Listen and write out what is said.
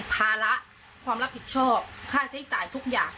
ภาระความรับผิดชอบค่าใช้จ่ายทุกอย่าง